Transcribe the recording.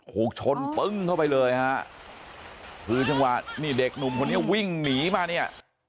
ถูกชนปึ้งเข้าไปเลยฮะคือจังหวะนี่เด็กหนุ่มคนนี้วิ่งหนีมาเนี่ย